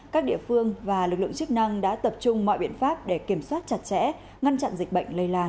các địa phương và lực lượng chức năng đã tập trung mọi biện pháp để kiểm soát chặt chẽ ngăn chặn dịch bệnh lây lan